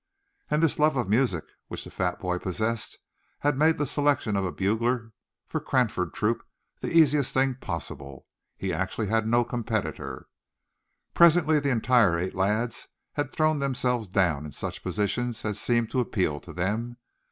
And this love of music which the fat boy possessed had made the selection of a bugler for Cranford Troop the easiest thing possible. He actually had no competitor. Presently the entire eight lads had thrown themselves down in such positions as seemed to appeal to them.